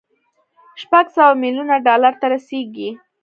شپږ سوه ميليونه ډالر ته رسېږي.